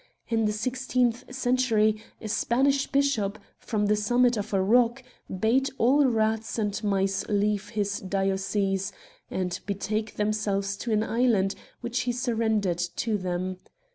In the sixteenth century, a Spanish bishop, from the summit of a rock, bade all rats and mice leave his diocese, and betake themselves to an island which he surrendered to them.